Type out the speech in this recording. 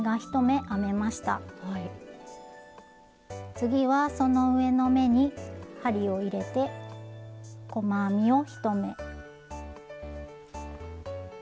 次はその上の目に針を入れて細編みを１目。